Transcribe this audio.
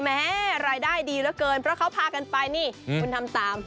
แม่รายได้ดีเหลือเกินเพราะเขาพากันไปนี่คุณทำตาม